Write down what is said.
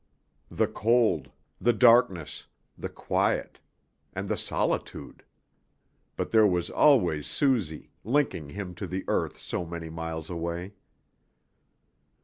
The cold. The darkness. The quiet. And the solitude. But there was always Suzy, linking him to the earth so many miles away.